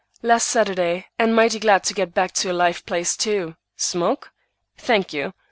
"Last Saturday, and mighty glad to get back to a live place, too. Smoke?" "Thank you.